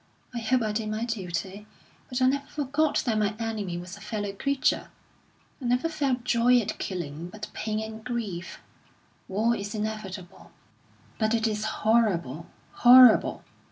I hope I did my duty, but I never forgot that my enemy was a fellow creature. I never felt joy at killing, but pain and grief. War is inevitable, but it is horrible, horrible!